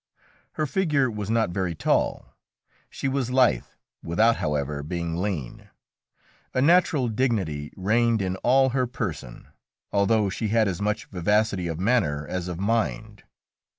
Her figure was not very tall; she was lithe without, however, being lean. A natural dignity reigned in all her person, although she had as much vivacity of manner as of mind.